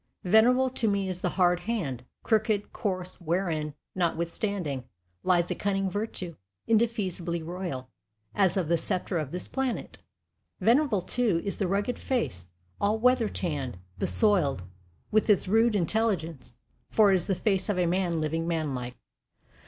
Venerable to me is the hard Hand; crooked, coarse; wherein, notwithstanding, lies a cunning virtue, indefeasibly royal, as of the Sceptre of this Planet. Venerable, too, is the rugged face, all weather tanned, besoiled, with its rude intelligence; for it is the face of a Man living manlike.